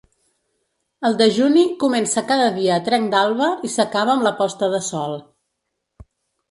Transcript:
El dejuni comença cada dia a trenc d'alba i s'acaba amb la posta del sol.